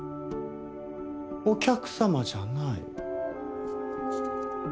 お客様じゃない？